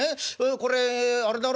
これあれだろ？